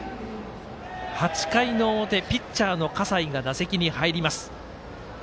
８回の表、ピッチャーの葛西打席に入ります。